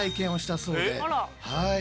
はい。